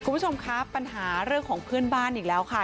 คุณผู้ชมครับปัญหาเรื่องของเพื่อนบ้านอีกแล้วค่ะ